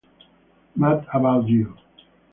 Mad About You